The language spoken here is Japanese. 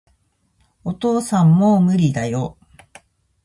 お父さん、もう無理だよ